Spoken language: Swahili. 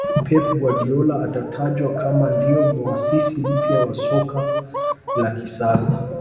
pep guardiola atatajwa kama ndio muasisi mpya wa soka la kisasa